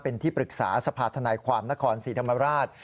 เป็นที่ปรึกษาสภาธนายความนครศรีธรรมราช